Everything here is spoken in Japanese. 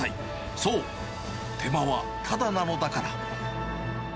そう、手間はただなのだから。